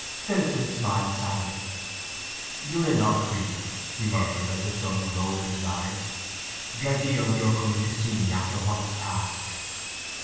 Phillotson smiled sadly. "You are an odd creature!" he murmured as the sun glowed in his eyes. "The idea of your coming to see me after what has passed!"